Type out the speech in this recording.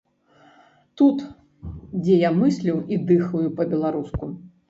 Тут, дзе я мыслю і дыхаю па-беларуску.